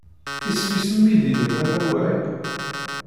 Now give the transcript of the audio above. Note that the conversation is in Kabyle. Isem-nnes umidi-nnem amaway?